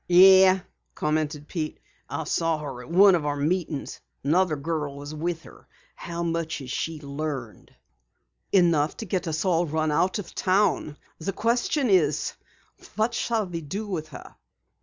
"Yeah," commented Pete. "I saw her at one of our meetings. Another girl was with her. How much has she learned?" "Enough to get us all run out of town. The question is, what shall we do with her?"